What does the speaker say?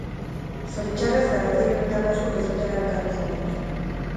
zoritxarrez garatzaile horietako askok ez dutela elkar ezagutzen